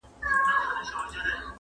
کورنۍ پرېکړه کوي د شرم له پاره،